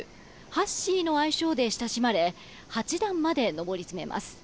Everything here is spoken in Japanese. ハッシーの愛称で親しまれ八段まで上り詰めます。